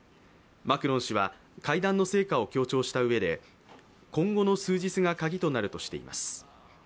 マクロン氏は会談の成果を強調したうえで今後の数日が鍵となるとしています。